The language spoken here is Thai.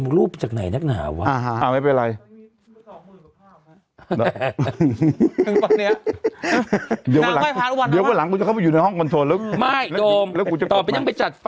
ไม่ต่อไปยังไปจัด